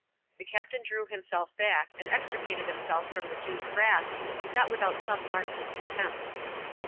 The Captain drew himself back, and extricated himself from the Jew's grasp, not without some marks of contempt.